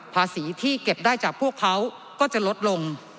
ภาษีที่เก็บได้จากพวกเขาก็จะลดลง